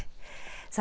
さあ